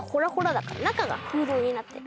だから中が空洞になってる。